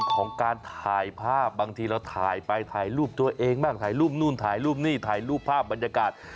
ของการถ่ายภาพบางทีเราถ่ายไปถ่ายรูปตัวเองบ้างถ่ายรูปนู่นถ่ายรูปนี่ถ่ายรูปภาพบรรยากาศ